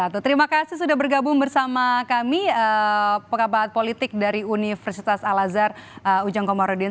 terima kasih sudah bergabung bersama kami pengabat politik dari universitas al azhar ujang komarudin